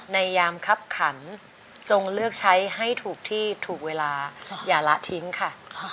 ยามคับขันจงเลือกใช้ให้ถูกที่ถูกเวลาอย่าละทิ้งค่ะ